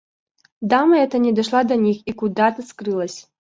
Дама эта не дошла до них и куда-то скрылась.